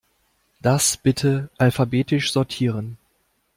Das bitte alphabetisch sortieren.